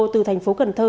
từ thành phố cần thơ